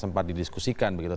sempat didiskusikan begitu